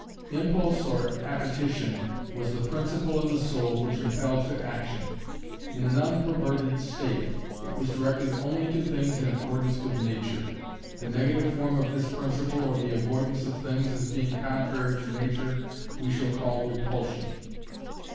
Impulse or appetition was the principle in the soul which impelled to action. In an unperverted state it was directed only to things in accordance with nature. The negative form of this principle or the avoidance of things as being contrary to nature, we shall call repulsion.